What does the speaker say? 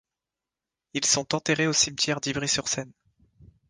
Ils sont enterrés au cimetière d’Ivry-sur-Seine.